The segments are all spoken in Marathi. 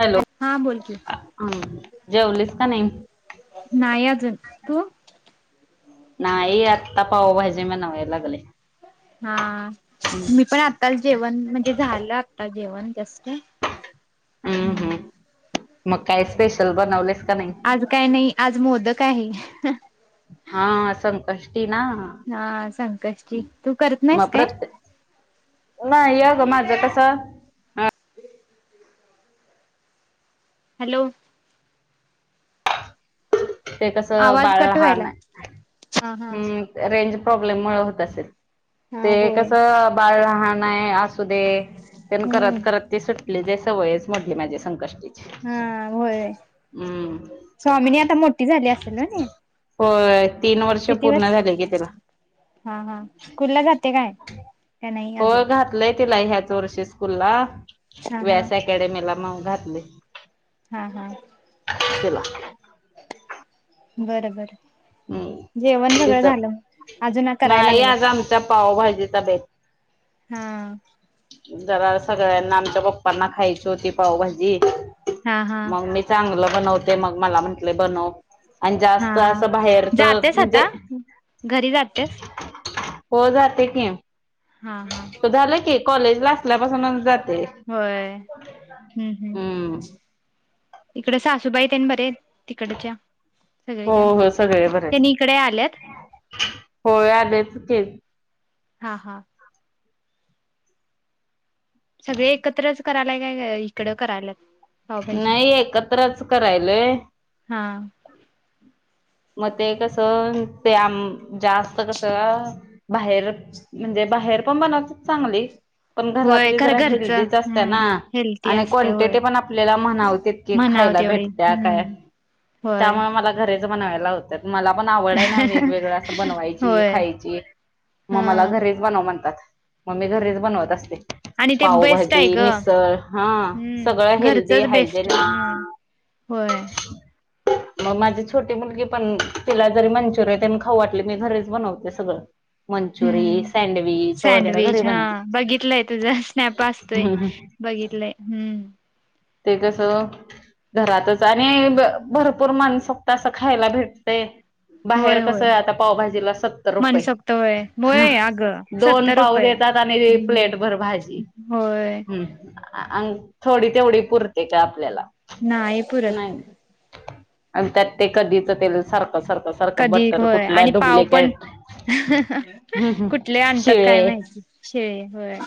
हॅलो हा बोल की जेवलीस का नाही? नाही अजून तू? नाही आता पावभाजी बणवायला लागले. हां हम्म मी पण आता जेवण म्हणजे झालं आता जेवण जस्ट. हम्म हम्म मग काय स्पेशल बनवलय? आज काय नाही आज मोदक आहे. हां संकष्टी ना. हा संकष्टची तू करत नाहीस मग काय? प्रत्ये नाही अग माझं कसं अ ह [inaudible] हॅलो ते कसं आवाज बाळ कट व्हायला लहान आहे. हा हा हम्म रेंज प्रॉब्लेम मुळ होत असेल हा ते होय कस बाळ लहाण आहे असू दे ते हम्म करत करत ते सुटले जी सवयच मोडली माझी संकष्टी हम्म होय स्वामिनी आता मोठ होय तीन वर्ष पूर्ण झाले की तीला. हा हा स्कूल ला जाते काय का नाही अजून? लय तिला ह्याच वर्षी स्कूल ला हा हा व्यास अकॅडमीला मग घातलय. हा हां बर बर. हम्म जेवण सगळं तिच झालं अजून करायला नाही आज लागलेत. आमच्या पावभाजीचा बेत. हम्म जरा सगळ्यांना आमच्या पप्पांना खायची होती पावभाजी हा हा मग मीच चांगल बनवते मग मला म्हटले बनव. आणि हा जास्त असं बाहेरच जातेस आता म्हणजे घरी जातेस हो जाते की. हां हा. तो झालं की, कॉलेज ला असल्यापासूनच जाते. होय, हम्म हम्म. इकड सासूबाई त्यांनी बरे तिकडच्या सगळी हो त्या हो त्यांनी इकडे आल्यात. हो आलेत की. हां हां. सगळे एकत्रच करायलाय काय, का इकडं करायलात? पावभाजी नाही एकत्रच करायलोय. हां मग ते कसं ते आम जास्त कस बाहेर, म्हणजे बाहेर पण बनवतात चांगली. पण होय घरातली खरं जरा घरचं हेल्दीच असते हम्म ना, हेल्थी आणि असते होय क्वांटिटी पण आपल्याला म्हणावते कि म्हणाव खायला तेवढी भेटत्या काय, हम्म होय त्यामुळे मला घरीच बनवायला लाव त्यात मला पण आवड आहे ना वेगवेगळ असं बनवायची, होय खायची, मग हा मला घरी बनव म्हणतात, मग मी घरीच बनवत असते. आणि ते बेस्ट पावभाजी, आहे ग मिसळ हं, हम्म सगळं हेल्दी घरचच बेस्ट हायजेनिक हम्म होय. मग माझी छोटी मुलगी पण तिला जरी मंचुरियन तेन खाऊ वाटले, मी घरीच बनवते सगळं. मंचुरी, हम्म, सँडविच वगैरे घरी सँडविच बनवते. हां, बघितलंय तुझ स्नॅप असतोय. बघितलंय, हम्म. ते कसं. घरातच, आणि भरपूर मानसोक्त असं खायला भेटतेय. बाहेर होय कस होय आता पावभाजीला सत्तर रुपये. मनसोक्त होय होय अगं दोन सत्तर पाव रुपये देतात, आणि हम्म प्लेट भर भाजी, होय हम्म. अन, थोडी तेवढी पुरते का आपल्याला, नाही पुरत नाही. आणि त्यात ते कधीच तेल सारखं सारखं सारखं कधी बटर होय, आणि कुठलं पाव पण डुप्लिकेट. हम्म हम्म कुठले आणतात काय शिळे माहिती? शीळे होय.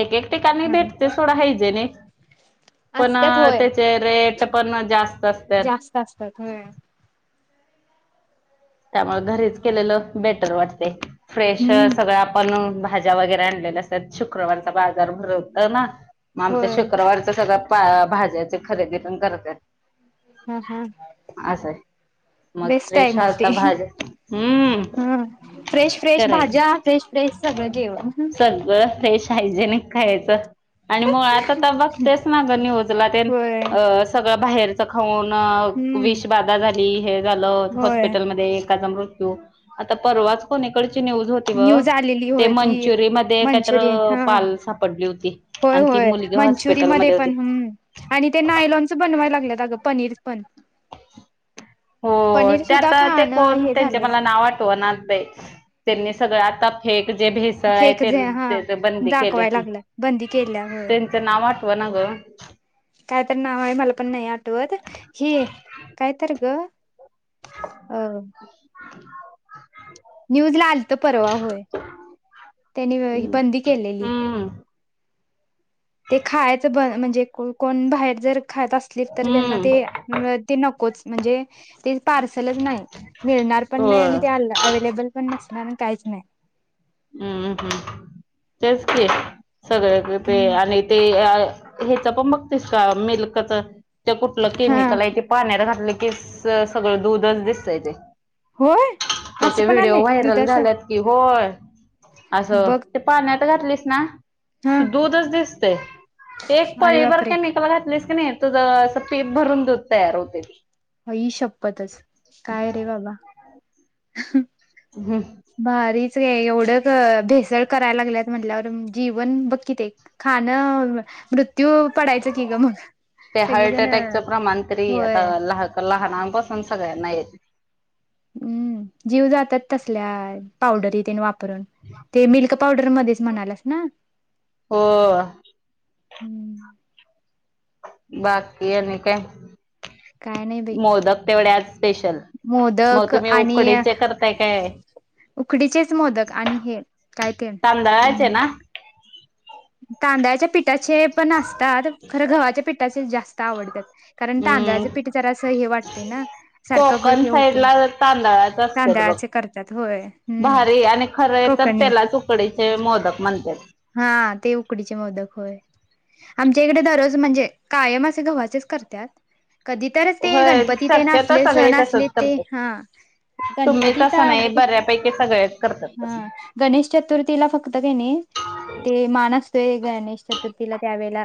एक एक ठिकाणी अरे भेटते सोडा हायजेनिक. पण असत्यात होय त्याचे रेट पण, जास्त असत्यात. जास्त असतात होय. त्यामुळे घरीच केलेलं बेटर वाटते, फ्रेश हम्म सगळं आप पण भाज्या वगैरे आणलेल्या असतात, शुक्रवारचा बाजार भरवतो ना. मग आमच्या होय शुक्रवारच सगळं भाज्याची खरेदी पण करतात. हम्म हम्म असं आहे मग बेस्ट आहे फ्रेश मग. आता भाज्या हम्म हम्म, फ्रेश फ्रेश करायचं. भाज्या, फ्रेश फ्रेश सगळं जेवण. सगळं फ्रेश, हायजेनिक खायचं. आणि मुळात आता बघतेच ना ग निउजला ते होय अ सगळं बाहेरच खाऊन. अ हम्म विष बाधा झाली, हे झालं होय [unintelligible] एकाचा मृत्यू, आता परवाच कुणीकडची न्यूज होती. न्यूज आलेली ते होय ती मंचुरियन मध्ये मंचुरियन काहीतरी, हा पाल सापडली होती. होय आणि ती होय, मुलगी मंचुरी मध्ये हॉस्पिटलमध्ये होती. पण, आणि ते नायलॉन बनवायला लागलेत आगं पनीर पण. हो पनीर त्या सुद्धा आता ते खाणं कोण हे त्यांचे झालंय मला नाव आठवनाच बाई. त्यांनी सगळं आता फेक जे भे तळाय फेक जे तेन हा तेच बंदी केले दाखवाय की, लागल्यात बंदी केल्या होय त्यांचं नाव आठव ना ग. कायतरी नाव आहे मला पण नाही आठवत, ही कायतर ग. अ [unintelligible] न्यूज ला आलत परवा होय त्यानी बंदी केलेली हम्म ते खायचं ब म्हणजे कोण बाहेर जर खात असली तर त्यांना हम्म ते ते नकोच म्हणजे ते पार्सलच नाही मिळणार पण नाही होय आणि ते अव्हेलेबल पण नसणार काहीच नाही. हम्म हम्म तेच की सगळे ते आणि ते हेच पण बघतीस का मिल्कच ते कुठलं हा केमिकल आहे ते पाण्यात घातलं की सगळ दूधच दिसतय ते होय असं त्याचे पण व्हिडिओ आलंय व्हायरल दुधाच झाल्यात कि होय असं बघ ते पाण्यात घातलीस ना, हा दूधच दिसतय, एक अरे पळी भर बापरे केमिकल घातलीस की नाही. तर अस पीप भरुन दुध तयार होतय. आई शपथच काय रे बाबा [unintelligible] हम्म भारीचय एवढं भेसळ करायला लागल्यात म्हटल्यावर जीवन बघकी ते खाण मृत्यू पडायचं की ग मग ते हार्ट सगळीजण अटॅकच प्रमाण तरी होय आता तर लहनांपासून सगळ्यांना येतय. हम्म जीव जातात तसल्या पावडरी तेन वापरून हां ते मिल्क पावडर मध्येच म्हणायलास ना हो. हम्म बाकी आणि काय काय नाही बाई मोदक तेवढे आज स्पेशल मग मोदक तुम्ही आणि उकडीचे करताय काय? उकडीचेच मोदक आणि हे काय ते तांदळाचे ना तांदळाच्या पिठाचे पण असतात खरं गव्हाच्या पिठाचे जास्त आवडतात. कारण हम्म तांदळाच पिठ जरा असं हे वाटते ना सारखं कोकण हे साईड होतय ला तांदळाच असतात बघ तांदळाचे करते. होय हम्म भारी आणि खरे तर कोकणी त्यालाच उकडीचे मोदक म्हणतात. हां ते उकडीचे मोदक होय. आमच्या इकडे दररोज म्हणजे कायम असे गव्हाचेच करतात. कधी तर ते होय गणपती तेन शक्यतो असले सगळे सण असले तसच ते करतात हा. तुम्ही गणपतीत तसं नाही आलं की नये बऱ्यापैकी सगळेच करतात तसं हां गणेश चतुर्थीला फक्त किनय ते मान असतोय गणेश चतुर्थीला त्यावेेळेला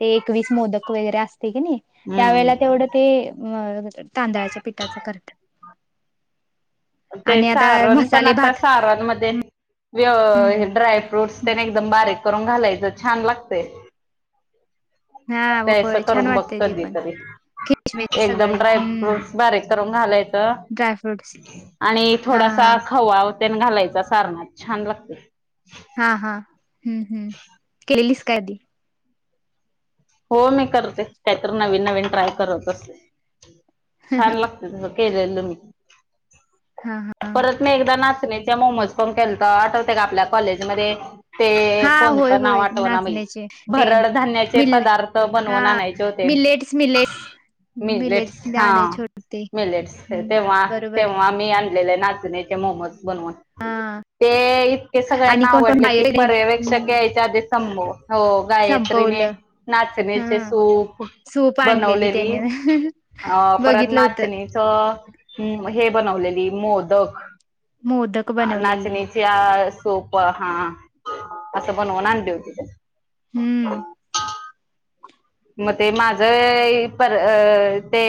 ते एकवीस मोदक वगैरे असतय की नाही. त्यावेेळेला हम्म तेवढं ते [unintelligible] तांदळाच्या पिठाच करतात आणि आता मसाले भात बा मध्ये हम्म व ड्राय फ्रूटस तेन एकदम बारीक करून घालायचं छान लागतेत. हा ते अस होय छान करून बघ वाटतय ते कधी पण तरी किशमिश एकदम सगळे ड्राय हम्म फ्रूटस बारीक करून घालायचं ड्रायफ्रूट्स आणि ते हा थोडासा हा खवा तेन घालायचा सारण्यात छान लागते. हा हा हम्म हम्म केलीस काय आधी हो मी करते काहीतरी नवीन नवीन ट्राय करत असते छान लागते. [unintelligible] केलेल मी हां हां. परत मी एकदा नाचणीच्या मोमोज पण केलत आठवते का आपल्या कॉलेजमध्ये ते हा होय कोणतं नाव होय आठवना बाई नाचण्याचे ते भरड धान्याचे मिल पदार्थ हा बनवून आणायचे होते ते. मिलेट्स मिलेट्स मिलेट्स मिलेटस हा दाणे छोटे मिलेटस तेव्हा हम्म बरोबर तेव्हा आ मी आणलेले नाचणीचे मोमोज बनवून. हा ते इतके आणि सगळ्यांना कोण कोण आवडले की बाहेर पर्यवेक्षक हम्म यायच्या आधी संभव हो गायत्रीने संपवलं हा नाचणीचे सूप सूप आणलेली बनवलेली त्याने अ परत बघितलं होतं नाचणी [unintelligible] हे बनलेली मोदक मोदक बनवलेली नाचणी [unintelligible] सोप हा असं बनवून आणली होती हम्म मग ते माझं पर अ ते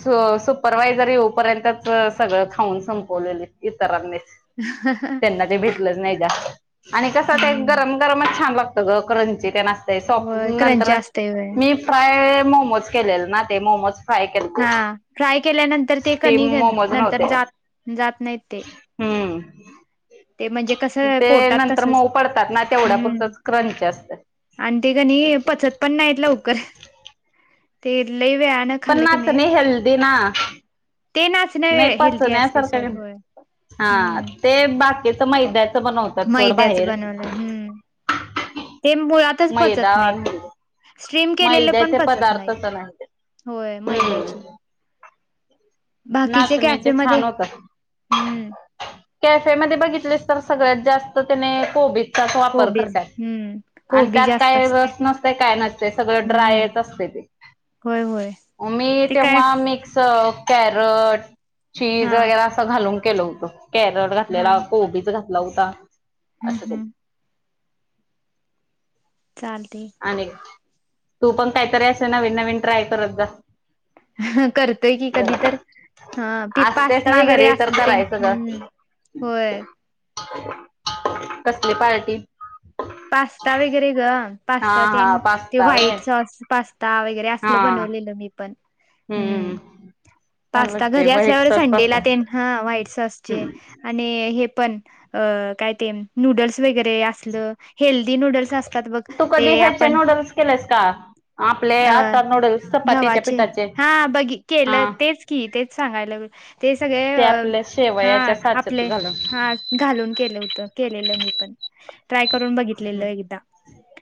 सु सुपरवायझर येऊपर्यंतच सगळं खाऊन संपवलेली इतरांनीच त्यांना ते भेटलंच नाही द्या आणि कस ते हम्म गरम गरमच छान लागत. सगळं क्रंची ते असतय सॉप नंतर तेवे मी फ्राय मोमोज केलेलं ना ते मोमोज फय केलते हा फ्राय केल्यानंतर ते कणी मोमोज नंतर नव्हते. जात जात नाहीत ते हम्म ते म्हणजे कसं ते पोटात नंतर तसच मऊ पडतात ना तेवढ्या हम्म पुरतच क्रंची असतं आणि ते काणी पचत पण नाहीत लवकर ते लैवेळ पण खल्ल कि नाही नाचणी हेल्दी ना ते ना नाही पचन्यासारखं का हा हम्म ते बाकीच मैदा बनवतात सोड मैद्याच बाहेर. बनवलं हम्म ते मुळातच मैदा पचत नाहीत आणि स्ट्रीम केलेले पण मैद्याचे पचत नाहीत पदार्थच नसतेत होय मैद्याची हम्म बाकीचे नाचणीचे कॅफेमध्ये छान हम्म होतात. कॅफे मध्ये बघितलेस तर सगळ्यात जास्त अन्य कोबी चा वापर कोबीज करतात हम्म आणि कोबी त्यात जास्त काय असते रस नसतय काय नसतय सगळ हम्म ड्रायच असते ते. होय होय मी ते काय तेव्हा मिक्स कॅरट, चीज हा वगैरे असं घालून केलं होतं कॅरट हा घातलेला कोबीच घात घातला होता. हम्म असं केलं हम् चालतय. आणिक तू पण काहीतरी असे नविन नवीन ट्राय करत जा. हं करतोय की कधीतर जरा. हं ते असतेच पास्ता ना वगैरे घरी तर असल ते करायचं ग हम्म होय कसली पार्टी? पास्ता वगैरे गं हा पास्ता हा तेन ते पास्ता व्हय व्हाईट सॉस पास्ता वगैरे हा असल बनवलेलं मी. पण हम्म छान पास्ता लागते घरी व्हाईट असल्यावर सॉस संडेला पास्ता. ते ह व्हाईट सॉस ते. हम्म आणि हे पण अ काय ते नूडल्स वगैरे असलं हेल्दी नूडल्स असतात बघ तू ते कधी ह्याचे आपण नूडल्स केलेस का? आपले अ आता नूडल्स चपातीच्या गव्हाचे पिठाचे हा बघी हा केलं तेच. की तेच सांगायलो ते सगळे ते आपल्या हां शेवयाच्या साच्यात आपले घालून हां घालून केलं होत केलेलं मी पण [unintelligible] ह बघितलेलं एकदा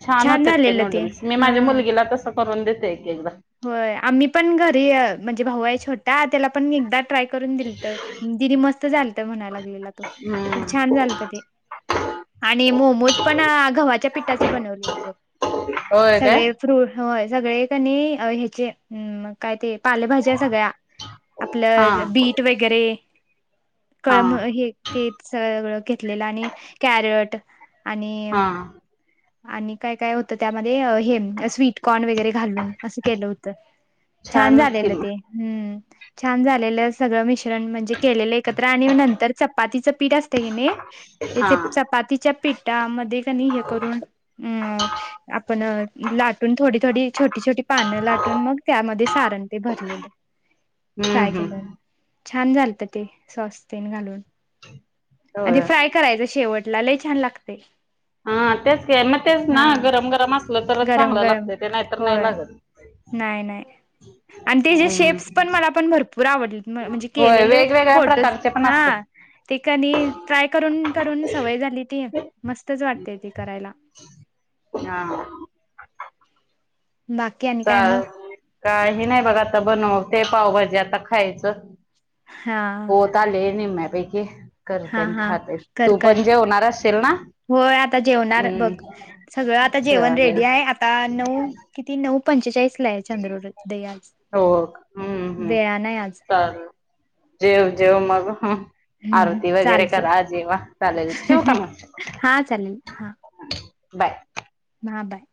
छान होतात ते नूडल्स मी माझ्या मुलगीला तस करून देते की एकदा. होय आम्ही पण घरी म्हणजे भाऊ आहे छोटा त्याला पण मी एकदा ट्राय करून दिलत दिदी मस्त झालत म्हणायला लागलेला तो हम्म छान झालत ते. आणि मोमोज पण गव्हाच्या पिठाचे बनवलेले गघ होय काय सगळे फ्रूट होय सगळे कनी ह्याचेय. हम्म मग काय ते पालेभाज्या सगळ्या. हा आपलं बीट वगैरे. हा केळंम. हे, ते सगळं घेतलेलं आणि कॅरट आणि हा आणि, काय काय होतं त्यामध्ये. हे, स्वीटकॉर्न वगैरे घालून असं, केल होत. छान छानच कि झालेलं ते. मग हम्म्, छान झालेलं. सगळं मिश्रण म्हणजे, केलेले एकत्र आणि नंतर, चपातीच पीठ असतय की नाही. हा ते चपातीच्या पीठमध्ये [unintelligible] हे करून. अ आपण लाटून, थोडी-थोडी. छोटी-छोटी पान लाटून. मग, त्यामध्ये सारण ते भरलेलं. हम्म फ्राय केलेलं. हम्म छान, झालत ते. सॉस तेन, घालून. आधी होय फ्राय करायच शेवटला लय छान लागतय. हां तेच की मग तेच ना गरम गरम [unintelligible] तरच गरम चांगलं गरम लागत ते, नाहीतर नाही होय लागत. नाही नाही आणि त्याचेे हम्म शेप्स पण मला पण, भरपूर आवडले. म्हणजे होय केलेले, वेगवेगळ्या फोटोज प्रकारचे पण हा. असतात ती कणी, ट्राय करून करून सवय झाली. ती मस्तच वाटतय, ते करायला. हा बा चालल काही नाही बघा आता, बनवते पावभाजी आता खायचं. हा झाले निम्म्यापैकी, करते हा अनं हा खाते. कर तू कर पण जेवणार अशील ना? होय, आता जेवणार बघ. हम्म सगळं आता जेवण चालेल रेडी हाय आता नऊ किती? नऊ पंचेचाळीसला हाय चंद्र उदय आज, हो हम्म हम्म वेळान आय आज चालेल. जेव जेव मग हं हम्म आरती वगैरे चालते करा. जेवा, चालेल. ठेवु का म? हा चालेल हा बाय. हा, बाय.